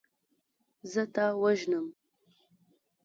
زه تا وژنم.